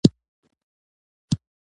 خو ته پوهېږې زه تراوسه حامله شوې نه یم.